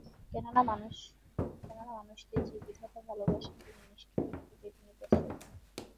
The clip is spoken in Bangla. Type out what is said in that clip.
কেননা, মানুষকে যে-বিধাতা ভালোবাসেন তিনি নিষ্ঠুর, জন্তুকেই তিনি প্রশ্রয় দেন।